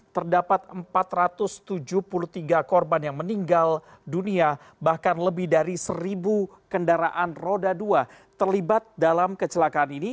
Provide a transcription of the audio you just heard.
terdapat empat ratus tujuh puluh tiga korban yang meninggal dunia bahkan lebih dari seribu kendaraan roda dua terlibat dalam kecelakaan ini